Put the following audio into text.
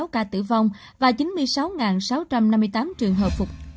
bốn sáu trăm ba mươi sáu ca tử vong và chín mươi sáu sáu trăm năm mươi tám trường hợp